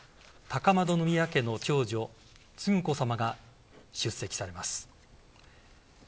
高円宮家の長女・承子さまが出席されます。